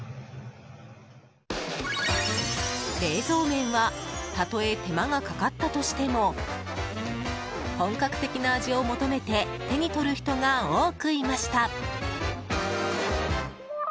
冷蔵麺はたとえ手間がかかったとしても本格的な味を求めて手に取る人が多くいました。